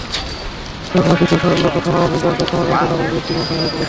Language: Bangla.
কখনো শিশুর সারল্য, কখনো অভিমান, কখনোবা যন্ত্রণার অভিব্যক্তি নিয়ে সংলাপ বলেছেন তিনি।